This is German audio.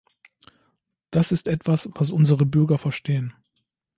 Das ist etwas, was unsere Bürger verstehen.